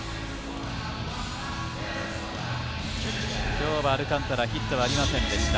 今日はアルカンタラヒットはありませんでした。